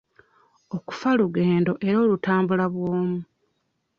Okufa lugendo era olutambula bw'omu.